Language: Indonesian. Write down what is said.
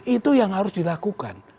itu yang harus dilakukan